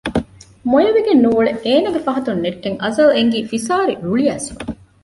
މޮޔަވެގެން ނޫޅެ އޭނާގެ ފަހަތުން ނެއްޓެން އަޒަލް އެންގީ ފިސާރި ރުޅިއައިސްފަ